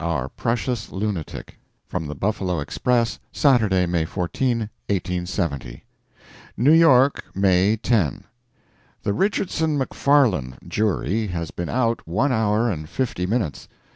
OUR PRECIOUS LUNATIC [From the Buffalo Express, Saturday, May 14, 1870.] New YORK, May 10. The Richardson McFarland jury had been out one hour and fifty minutes.